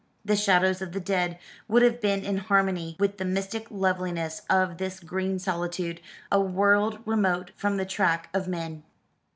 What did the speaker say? The shadows of the dead would have been in harmony with the mystic loveliness of this green solitude a world remote from the track of men.